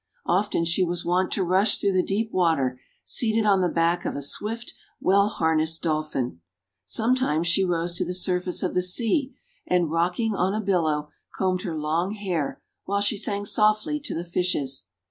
Often she was wont to rush through the deep water, seated on the back of a swift, well har nessed Dolphin. Sometimes she rose to the surface of the sea, and, rocking on a billow, combed her long hair while she sang softly to the fishes.